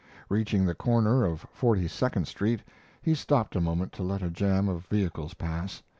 Reaching the corner of Forty second Street, he stopped a moment to let a jam of vehicles pass.